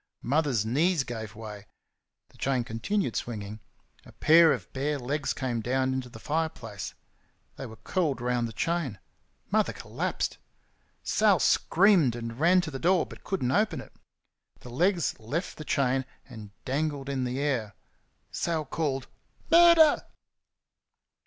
Mother's knees gave way. The chain continued swinging. A pair of bare legs came down into the fireplace they were curled round the chain. Mother collapsed. Sal screamed, and ran to the door, but could n't open it. The legs left the chain and dangled in the air. Sal called "Murder!"